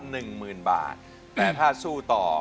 หนึ่งหมื่นบาทแต่ถ้าสู้ต่อ